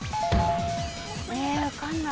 分かんない。